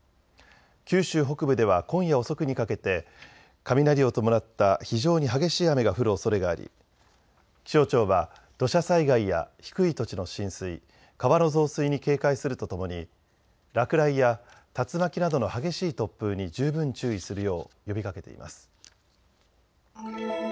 九州北部では今夜遅くにかけて雷を伴った非常に激しい雨が降るおそれがあり気象庁は土砂災害や低い土地の浸水、川の増水に警戒するとともに落雷や竜巻などの激しい突風に十分注意するよう呼びかけています。